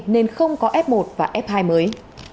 nên không có f một và f hai mới